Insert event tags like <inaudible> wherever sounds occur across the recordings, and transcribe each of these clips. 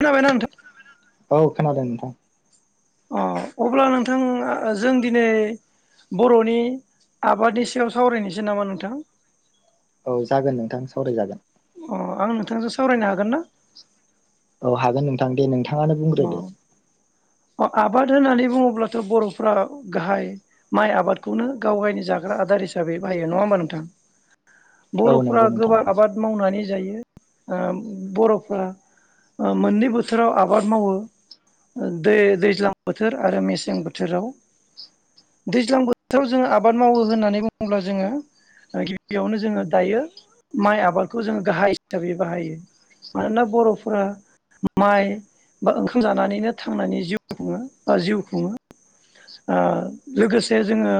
खोनाबायना नोंथां औ खोनादों नोंथां। अ अब्ला नोंथां जों दिनै बर'नि आबादनि सायाव सावरायनोसै नामा नोंथां? औ जागोन नोंथां सावरायजागोन। अ आं नोंथांजों सावरायनो हागोन ना? औ हागोन नोथां दे नोंथां नोंथाङानो अ बुंग्रोदो? अ आबाद होननानै बुङोब्लाथ' बर'फ्रा गाहाय माइ आबादखौनो गाव गावनि जाग्रा आदार हिसाबै बाहायो नङा होमबा नोंथां? औ बर'फोरा नंगौ नोंथां गोबां आबाद मावनानै जायो ओ बर'फ्रा ओ मोननै बोथोराव आ बाद मावो दै दैज्लां बोथोर आरो मेसें बोथोराव दैज्लां बोथोराव जोङो आबाद मावो होननानै बुङोब्ला जोङो गिबियावनो जोङो दायो माइ आबादखौ जोङो गाहाय हिसाबै बाहायो मानोना बर'फोरा माइ बा ओंखाम जानानैनो थांनानै जिउ खुङो बा जिउ खुङो ओ लोगोसे जोङो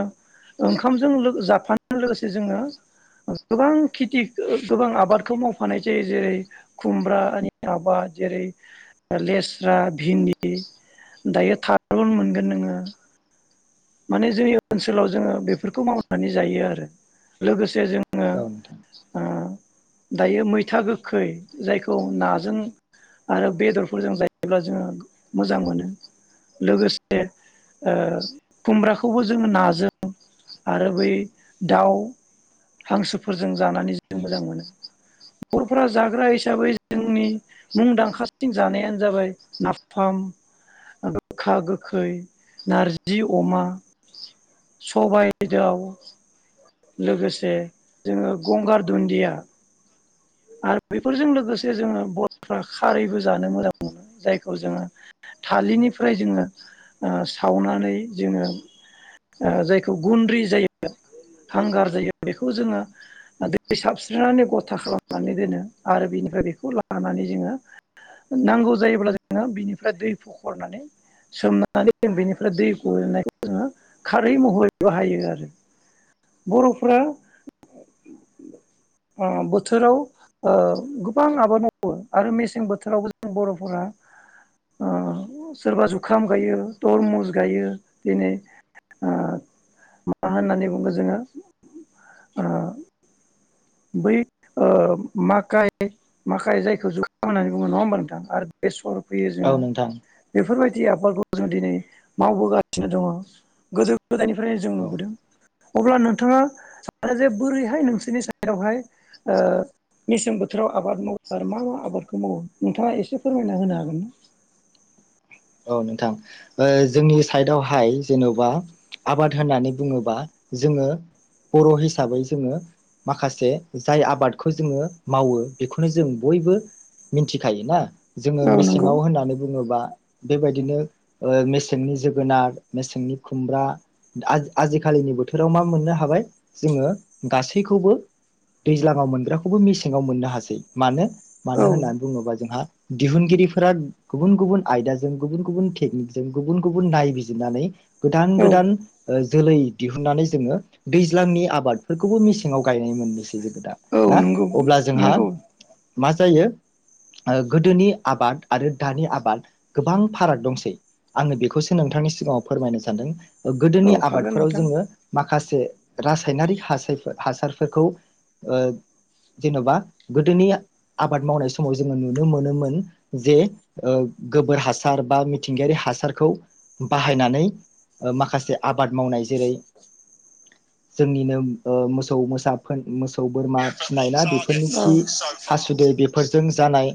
ओंखामजों लो जाफानायजों लोगोसे जोङो गोबां खेथि गोबां आबादखौ मावफानाय जायो जेरै खुमब्रानि आबाद जेरै लेस्रा, भिन्दि, दायो थारुन मोनगोन नोङो। माने जोंनि ओनसोलाव जोङो बेफोरखौ मावनानै जायो आरो लोगोसे जों औ दायो मैथा गोखै जायखौ नाजों आरो बेदरफोरजों जायोब्ला जोङो मोजां मोनो लोगोसे ओ खुमब्राखौबो जोङो नाजों आरो बै दाउ हांसोफोरजों जानानै जों मोजां मोनो बर'फोरा जाग्रा हिसाबै जोंनि मुंदांखासिन जानायानो जाबाय नाफाम, गोखा गोखै, नार जि अमा, सबाय दाउ, लोगोसे जोङो गंगार दुन्दिया आरो बेफोरजों लोगोसे जोङो बर'फ्रा खारैबो जानो मोजां मोनो जायखौ जोङो थालिरनिफ्राय जोङो ओ सावनानै जोङो ओ जायखौ गुन्द्रि जायो हांगार जायो बेखौ जोङो ओ दै सारस्रिनानै गथा खालामनानै दोनो आरो बिनिफ्राय बेखौ लानानै जोङो नांगौ जायोब्ला जोङो बिनिफ्राय दै फखरनानै सोमनानै जों बेनिफ्राय दै गनायखौ जोङो खारै महरै बाहायो आरो। बर'फोरा ओ बोथोराव ओ गोबां आबाद मावो आरो मेसें बोथोरावबो जों बर'फोरा ओ सोरबा जुखाम गायो तरमुस गायो दिनै ओ मा होननानै बुङो जोङो ओ बै ओ‌ माखाय माखाय जायखौ जुखाम होननानै बुङो नङा होमबा नोंथां आरो बेसर फोयो जोङो औ नोंथां बेफोरबाय जि आबादखौ जोंङो दिनै मावबोगासिनो दङ गोदो गोदायनिफ्रायनो जों औ नुबोदों अब्ला नोंथाङा सानो जे बोरैहाय नोंसोरनि साइ जेरावहाय ओ मेसें बोथोराव आबाद मावो आरो मा मा आबादखौ मावो नोंथाङा एसे फोरमायना होनो हागोन ना? औ नोंथां ओ जोंनि साइदआवहाय जेन'बा आबाद होननानै बुङोबा जोङो बर' हिसाबै जोङो माखासे जाय आबादखौ जोङो मावो बेखौनो जों बयबो मिथिखायो ना। जोङो औ नंगौ मेसेङाव होननानै बुङोबा बेबायदिनो ओ मेसेंनि जोगोनार, मेसेंनि खुमब्रा आ आजिखालिनि बोथोराव मा मोननो हाबाय जोङो गासैखौबो दैज्लाङाव मोनग्राखौबो मेसेङाव मोननो हासै मानो? औ मानो होननानै बुङोबा जोंहा दिहुनगिरिफोरा गुबुन गुबुन आयदाजों गुबुन गुबुन टेकनिकजों गुबुन गुबुन नायबिजिरनानै गोदान औ गोदान ओ जोलै दिहुननानै जोङो दैज्लांनि आबादफोरखौबो मेसेङाव गायनाय मोननोसै जोङो दा। औ ना नोंगौ अब्ला जोंहा नोंगौ। मा जायो ओ गोदोनि आबाद आरो दानि आबाद गोबां फाराग दंसै आङो बेखौसो नोंथांनि सिगाङाव फोरमायनो सानदों। ओ औ गोदोनि हागोन आबादफोराव नोंथां। औ जोङो माखा खासे रासायनारिक हासाय हासारफोरखौ ओ जेन'बा गोदोनि आबाद मावनाय समाव जोङो नुनो मोनोमोन जे ओ गोबोर हासार बा मिथिंगायारि हासारखौ बाहायनानै माखासे आबाद मावनाय जेरै जोंनिनो मोसौ मोसाफोर मोसौ बोरमा फिसिनाय ना बेफोरनि खि हासुदै बेफोरजों जानाय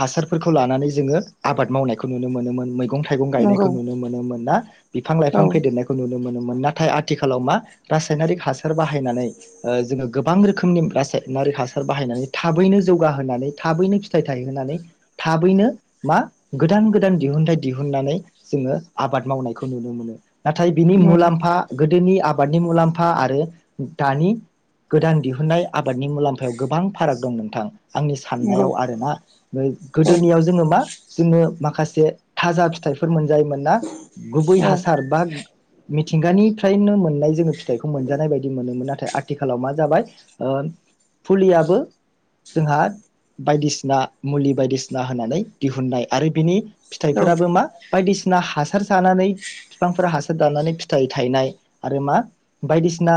हासार फोरखौ लानानै जोङो आबाद मावनायखौ नुनो मोनोमोन। मैगं थाइगं गायनायखौ नंगौ नुनो मोनोमोन ना बिफां औ लाइफां फेदेरनायखौ नुनो मोनो मोन नाथाय आथिखालाव मा रासायनारिक हासार बाहायनानै ओ जोङो गोबां रोखोमनि रासायनारिक हासार बाहायनानै थाबैनो जौगाहोनानै थाबैनो फिथाइ थायहोनानै थाबैनो मा गोदान गोदान दिहुनथायाइ दिहुननानै जोङो आबाद मावनायखौ नुनो मोनो। नाथाय बिनि नंगौ मुलाम्फा गो दोनि आबादनि मुलाम्फा आरो दानि गोदान दिहुननाय आबादनि मुलाम्फायाव गोबां फाराग दं नोंथां। आंनि नंगौ साननायाव आरोना औ गोदोनियाव जोङो मा जोङो माखासे थाजा फिथाइफोर मोनजायोमोन ना? गुबै औ हासार बा मिथिंगानिफ्रायनो मोननाय जोङो फिथाइखौ मोनजानाय बायदि मोनोमोन नाथाय आथिखालाव मा जाबाय ओ फुलियाबो जोंहा बायदिसिना मुलि बायदिसिना होनानै दिहुननाय, आरो बिनि फिथाइफोराबो मा? बायदिसिना हासार जानानै बिफांफोरा हासार दानानै फिथाइ थायनाय आरो मा बायदिसिना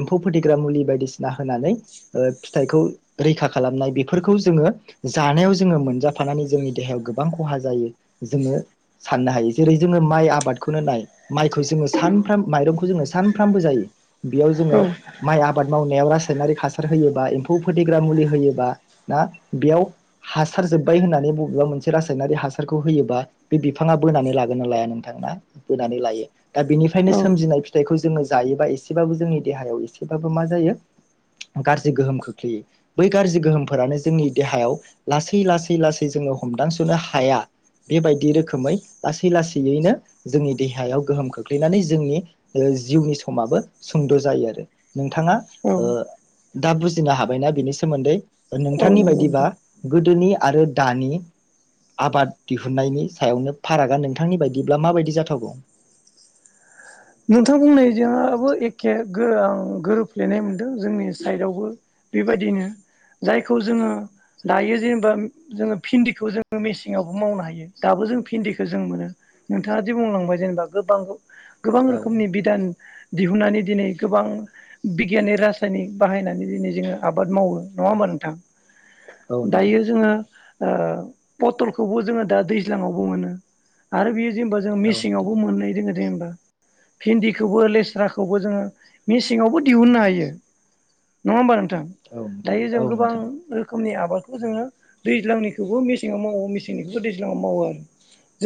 एम्फौ फोथैग्रा मुलि बायदिसिना होनानै फिथाइखौ रैखा खालामनाय बेफोरखौ जोङो जानायाव जोङो मोनजा फानानै जोंनि देहायाव गोबां खहा जायो जोङो साननो हायो। जेरै जोङो माइ आबादखौनो नाय माइखौ जोङो सानफ्रोम- माइरंखौ जोङो सानफ्रामबो जायो, बेयाव जोङो माइ आबाद मावनायाव रासायनारिक हासार होयोबा एम्फौ फोथैग्रा मुलि होयोबा ना बेयाव हासार जोब बाय होननानै बबेबा मोनसे रासायनारि हासारखौ होयोबा बे बिफाङा बोनानै लागोन ना लाया नोंथां ना? बोनानै लायो। दा बेनिफ्रायनो औ सोमजिनाय फिथाइखौ जोङो जायोबा एसेबाबो जोंनि देहयाव एसेबाबो मा जायो गारजि गोहोम खोख्लैयो बै गाज्रि गोहोमानो जोंनि देहायाव लासै लासै लासै लासै जोङो हमदांस'नो हाया, बेबायदि रोखोमै लासै लासैयैनो जोंनि देहायाव गोहोम खोख्लैनानै जोंनि जिउनि समाबो सुंद' जायो आरो। नोंथाङा ओ दा बुजिनो हाबायना बिनि सोमोन्दै? औ नोंथांनि नंगौ नोंथां। बायदिबा गोदोनि आरो दानि आबाद दिहुन्नायनि सायावनो फारागा नोंथांनि बायदिब्ला माबायदि जाथावगौ? नोंथां बुंनायजोंआबो एखे आं गोरोबफ्लेनाय मोनदों जोंनि साइडआवबो बेबायदिनो जायखौ जोङो दायो जेनेबा जोङो भिन्दिखौ जोङो मेसेङावबो मावनो हायो दाबो जों भिन्दिखौ जों मोनो नोंथाङादि बुंलांबाय जेनेबा गोबांखौ गोबां औ रोखोमनि बिदान दिहुननानै दिनै गोबां बिगियनि रासायनिक बाहायनानै दिनै जोङो आबाद मावो, नङा होमबा नोंथां? औ नोंथां दायो जोङो ओ पथलखौबो जोङो दा दैज्लाङावबो मोनो आरो बेयो दि होनबा जों औ नोंथां मिसिंआवबो मोनहै दोङो जों <unintelligible> भिन्दिखौबो लेस्राखौबो जोङो मेसेङावबो दिहुननो हायो। नङा होमबा नों थां। औ नोंथां दायो जों औ गोबां नोंथां रोखोमनि आबाद आबादखौ जोङो दैज्लांनिखौबो मेसेङाव मावो मेसेंनिखौबो दैज्लाङाव मावो आरो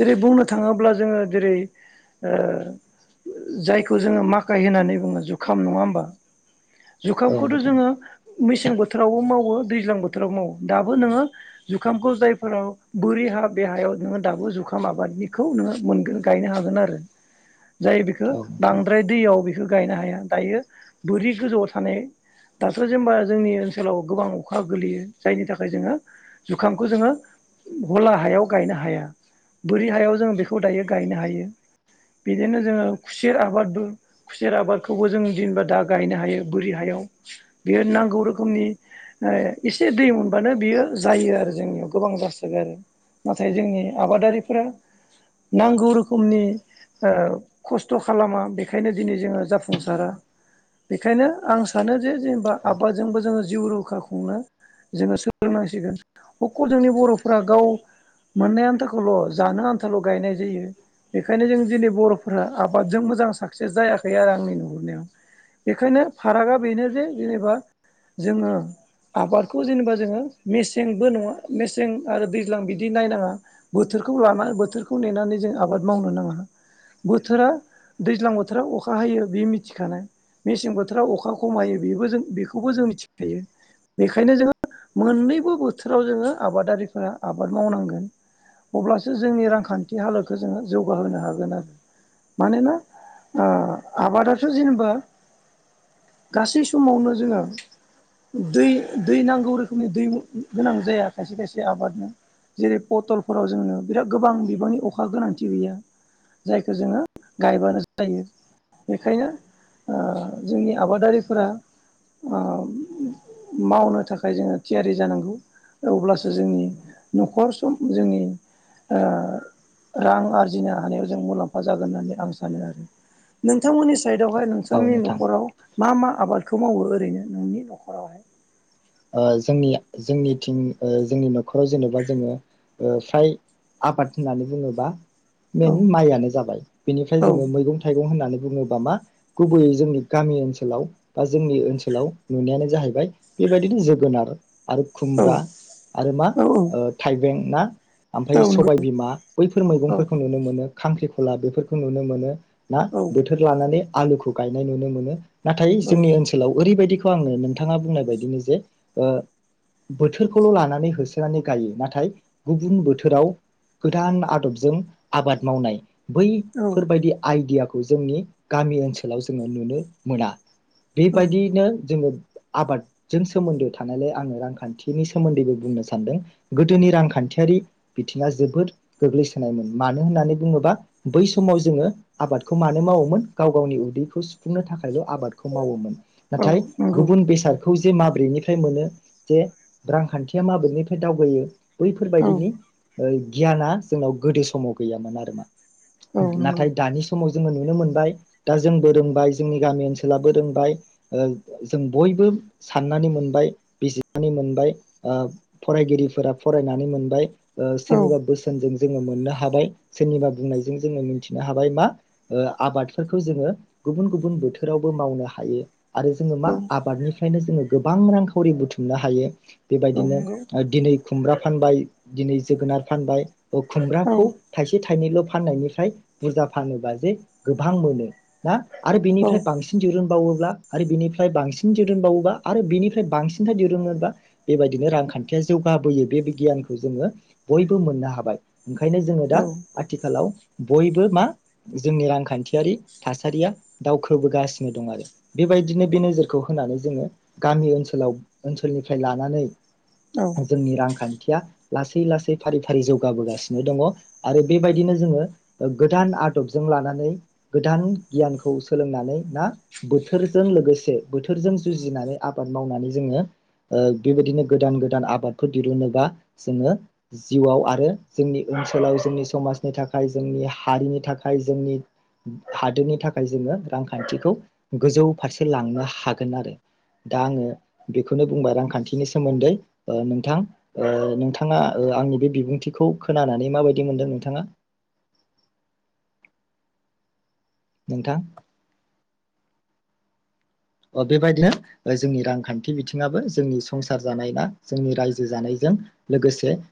जेरै बुंनो थाङोब्ला जोङो जेरै ओ जायखौ जोङो माखाय होननानै बुङो जुखाम नङा होमबा? औ जुखामखौथ' नोंथां जोङो मेसें बोथोरावबो मावो। दैज्लां बोथोराव मावो दाबो नोङो जुखामखौ जायफोरा बोरि हा बे हायाव नोङो दाबो जुखाम आबादनिखौ नोङो मोनगोन गायनो हागोन आरो। जायो बेखौ औ नोंथां बांद्राय दैयाव। बेखौ गायनो हाया दायो बोरि गोजौआव थानाय दाथ जेनेबा जोंनि ओनसोलाव गोबां अखा गोग्लैयो जायनि थाखाय जोङो जुखामखौ जोङो हला हायाव गायनो हाया बोरि हायाव जों बेखौ दायो गायनो हायो। बिदिनो जोङो खुसेर आबादबो खुसेर आबादखौबो जों जेनबा दा गायनो हायो बोरि हायाव बियो नांगौ रोखोमनि एसे दै मोनबानो बियो जायो आरो जोंनियाव गोबां जासोगारो आरो नाथाय जोंनि आबादारिफोरा नांगौ रोखोमनि। खस्थ खालामा बेखायनो दिनै जोङो जाफुंसारा बेखायनो आं सानो जे जेनेबा औ आबादजोंबो जोङो जिउ रैखा खुंनो जोङो सोलोंनांसिगोन अखल जोंनि बरफ्रा गाव मोननाय आन्थाखौल जानो आन्थाल गायनाय जायो बेखायनो जों दिनै। बरफोरा आबादजों मोजां साक्सेस जायाखै आरो आंनि नुहुरनायाव बेखायनो फारागा बेनो जे जेनेबा जोङो आबादखौ जेनेबा जोङो मेसेंबो नङा मेसें आरो दैज्लां बिदि नायनाङा बोथोरखौ लानानै बोथोरखौ नेनानै जों आबाद मावनो नाङा। बोथोरा दैज्लां बोथोराव अखा हायो बे मिथिखानाय मेसें बोथोराव अखा खमायो बेबो जों बेखौबो जों मिथिखायो बेखायनो जोङो मोननैबो बोथोराव जोङो आबादारिफोरा आबाद मावनांगोन अब्लासो जोंनि रांखान्थि हालोदखौ जोंङो जौगाहोनो हागोन। मानोना आबादाथ जेनेबा गासै समावनो जोङो दै दै नांगौ रोखोमनि दै गोनां जाया खायसे खायसे आबादनो जेरै पटलफोराव जोंनो बिराद गोबां बिबांनि अखा गोनांथि गैया। जायखौ जोंङो गायबानो जायो बेखायनो जोंनि आबादारिफोरा मावनो थाखाय जोंङो थियारि जानांगौ अब्लासो जोंनि नखर संसारा जोंनि रां आरजि। रां आरजिनो हानायाव जों मुलाम्फा जागोन होननानै आं सानो आरो नोंथांमोननि। साइडावहाय औ नोंसोरनि नोंथां नखराव मा मा। आबादखौ मावो ओरैनो नोंनि नखरावहाय। जोंनि जोंनिथिं जोंनि नखराव जेनेबा जोङो फ्राय आबाद होननानै बुङोबा। औ मेन माइयानो जाबाय बेनिफ्राय औ जोंङो मैगं थाइगं होननानै। बुङोबा मा गुबैयै जोंनि गामि ओनसोलाव बा जोंनि ओनसोलाव नुनायानो जाहैबाय बेबायदि। बेबादिनो जोगोनार । आरो औ खुमब्रा आरो मा औ थाइबें। ना। ओमफ्राय नंगौ सबायबिमा बैफोर औ मैगंफोरखौ नुनो मोनो। खांख्रिखला बेफोरखौ नुनो मोनो। ना औ बोथोर लानानै। आलुखौ गायनाय नुनो मोनो। नाथाय औ जोंनि ओनसोलाव ओरैबायदि। दहाय नोंथाङा बुंनाय बायदिनो। जे बोथोरखौल लानानै होसोनानै गायो नाथाय गुबुन बोथोराव गोदान आदबजों आबाद मावनाय। औ बैफोरबायदि आइडियाखौ। खौ जोंनि गामि ओनसोलाव जोङो नुनो मोना। औ बेबायदियैनो जोङो। आबाद। जों सोमोन्दो थानायलाय आङो रांखान्थिनि सोमोन्दैबो बुंनो सानदों गोदोनि रांखान्थियारि बिथिङा जोबोद गोग्लैसोनायमोन मानो होननानै बुङोबा बै समाव जोङो आबादखौ मानो मावोमोन गाव गावनि उदैखौ सुफुंनो थाखायल। आबादखौ मावोमोन औ नाथाय नंगौ गुबुन बेसादखौ। जे माब्रैनिफ्राय मोनो जे रांखान्थिया माब्रैनिफ्राय दावगायो। औ नंगौ औ बैफोरबायदिनि। गियाना जोंनाव गोदो समाव गैयामोन आरो मा। औ नंगौ नाथाय दानि समाव। जोङो नुनो मोनबाय दा जोंबो रोंबाय जोंनि गामि ओनसोलाबो रोंबाय जों बयबो। साननानै मोनबाय बिजिरनानै मोनबाय फरायगिरिफोरा फरायनानै मोनबाय। ओ औ सोनिबा बोसोनजों ज जोङो मोननो हाबाय सोरनिबा बुंनायजों जोङो मिथिनो हाबाय मा ओ-आबादफोरखौ जोङो गुबुन गुबुन बोथोरावबो मावनो हायो । आरो जोङो मा आबादनि । जोङो गोबां रांखावरि बुथुमनो हायो ।। बेबायदिनो आर दिनै । खुमब्रा फानबाय दिनै जोगोनार फानबाय। अ खुमग्राखौ थायसे थाइनैल' । फाननायनिफ्राय बुरजा फानोबा जे गोबां मोनो ना? आरो बेनिफ्राय बांसिन दिरुनबावो। ब्ला आरो बिनिफ्राय बांसिन । दिरुनबावोबा आरो बिनिफ्राय बांसिनथार दिरुनोदा बेबायदिनो रांखान्थिया जौगाबोयो बे गियानखौ जोङो बयबो मोननो हाबाय । ओंखायनो जोङो औ दा आथिखालाव। बयबो मा जोंनि रांखान्थियारि थासारिया दावखोबोगासिनो दं आरो बेबायदिनो बे नोजोरखौ। होननानै जोङो गामि ओनसोलाव ओनसोलनिफ्राय लानानै। औ जोंनि रांखान्थि। या लासै लासै फारि फारि जौगाबोगासिनो दङ' आरो बेबायदिनो जोङो ओ-गोदान आदबजों लानानै गोदान गियानखौ सोलोंनानै ना बोथोरजों लोगोसे। बोथोरजों जुजिनानै आबाद मावनानै जोङो ओ- बेबायदिनो गोदान गोदान आबादफोर दिरुनोबा जोङो जिउआव आरो जोंनि ओनसोलाव जोंनि समाजनि थाखाय जोंनि हारिनि थाखाय जोंनि हादोरनि थाखाय जोङो रांखान्थिखौ गोजौ फारसे लांनो हा हागोन आरो दा आङो बेखौनो बुंबाय रांखान्थिनि सोमोन्दै । ओ-नोंथां ओ- नोंथाङा आंनि बे बिबुंथिखौ खोनानानै माबायदि मोनदों नोंथाङा? नोंथां। अ बेबायदिनो जोंनि रांखान्थि बिथिङाबो जोंनि संसार जानाय बा जोंनि रायजो जानायजों लोगोसे।